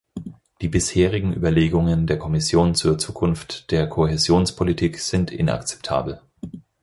Die bisherigen Überlegungen der Kommission zur Zukunft der Kohäsionspolitik sind inakzeptabel.